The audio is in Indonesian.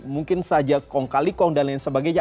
mungkin saja kong kali kong dan lain sebagainya